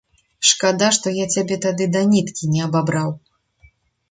Шкада, што я цябе тады да ніткі не абабраў.